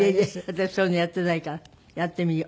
私そういうのやってないからやってみよう。